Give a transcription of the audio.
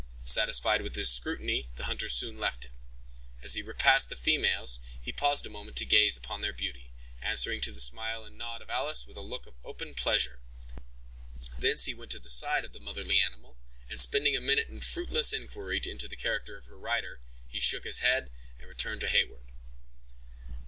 Satisfied with his scrutiny, the hunter soon left him. As he repassed the females, he paused a moment to gaze upon their beauty, answering to the smile and nod of Alice with a look of open pleasure. Thence he went to the side of the motherly animal, and spending a minute in a fruitless inquiry into the character of her rider, he shook his head and returned to Heyward.